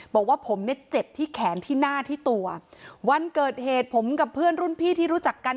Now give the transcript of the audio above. บอกว่าผมเนี่ยเจ็บที่แขนที่หน้าที่ตัววันเกิดเหตุผมกับเพื่อนรุ่นพี่ที่รู้จักกัน